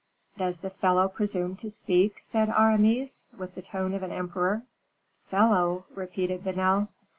"Does the fellow presume to speak?" said Aramis, with the tone of an emperor. "Fellow!" repeated Vanel.